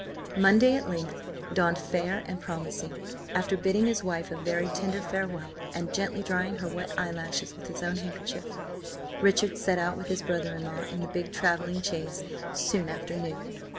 Monday at length dawned fair and promising. After bidding his wife a very tender farewell, and gently drying her wet eyelashes with his own handkerchief, Richard set out with his brother in law in the big travelling chaise soon after noon.